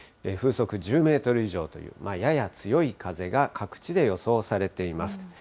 風速１０メートル以上という、やや強い風が各地で予想されています。